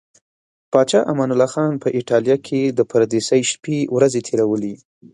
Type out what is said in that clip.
پاچا امان الله خان په ایټالیا کې د پردیسۍ شپې ورځې تیرولې.